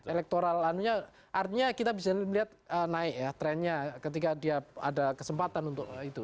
elektoralannya artinya kita bisa lihat naik ya trendnya ketika dia ada kesempatan untuk itu